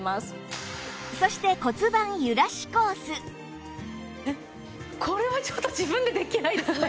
そしてこれはちょっと自分でできないですね。